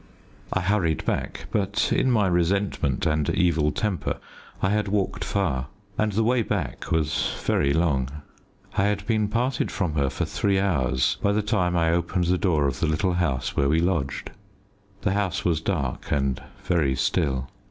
I hurried back, but in my resentment and evil temper I had walked far, and the way back was very long. I had been parted from her for three hours by the time I opened the door of the little house where we lodged. The house was dark and very still.